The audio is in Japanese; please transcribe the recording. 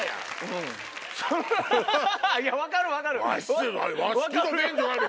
いや分かる分かる！